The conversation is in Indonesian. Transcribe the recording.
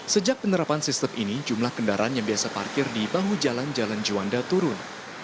sejak penerapan sistem ini jumlah kendaraan yang biasa parkir di bahu jalan jalan juanda turun